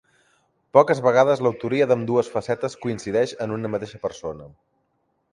Poques vegades l'autoria d'ambdues facetes coincideix en una mateixa persona.